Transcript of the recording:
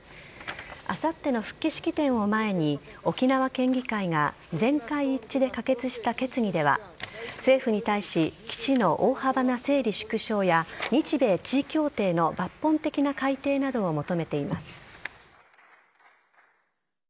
あさっての復帰式典を前に沖縄県議会が全会一致で可決した決議では政府に対し基地の大幅な整理縮小や日米地位協定の抜本的な改定などを求めています。